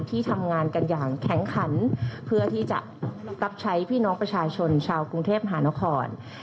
ที่ทำงานกันอย่างแข็งขันเพื่อที่จะรับใช้พี่น้องประชาชนชาวกรุงเทพหานคร